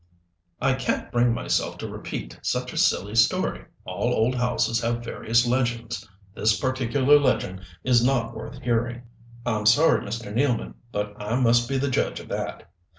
"I can't bring myself to repeat such a silly story. All old houses have various legends. This particular legend is not worth hearing." "I'm sorry, Mr. Nealman, but I must be the judge of that.